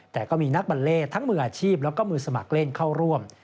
แต่ก็มีนักบัลเล่ทั้งมืออาชีพแล้วก็มือสมัครเล่นเข้าร่วม